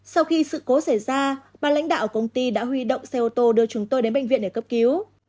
sau khi sự cố xảy ra ba lãnh đạo công ty đã huy động xe ô tô đưa chúng tôi đến bệnh viện để cấp cứu